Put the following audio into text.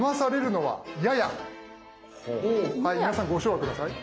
皆さんご唱和下さい。